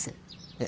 え？